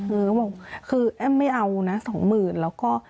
เขาบอกคือแอ๊บไม่เอานะ๒๐๐๐๐แล้วก็